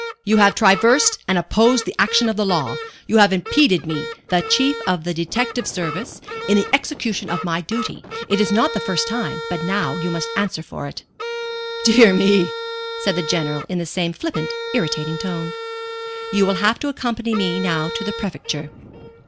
"You have traversed and opposed the action of the law. You have impeded me, the Chief of the Detective Service, in the execution of my duty. It is not the first time, but now you must answer for it." "Dear me!" said the General in the same flippant, irritating tone. "You will have to accompany me now to the Prefecture."